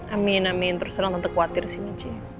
amin amin terus orang orang tertekuatir sih michi